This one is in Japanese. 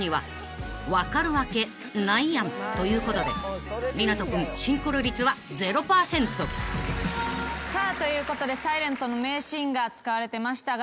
［ということで湊斗君シンクロ率は０％］さあということで『ｓｉｌｅｎｔ』の名シーンが使われてましたが。